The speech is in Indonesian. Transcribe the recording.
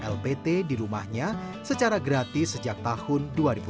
lpt di rumahnya secara gratis sejak tahun dua ribu sepuluh